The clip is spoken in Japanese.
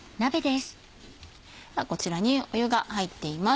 ではこちらに湯が入っています。